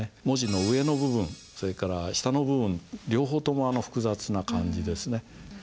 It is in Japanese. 文字の上の部分それから下の部分両方とも複雑な感じですね。